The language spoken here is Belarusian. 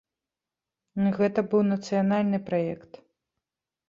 Гэта быў нацыянальны праект.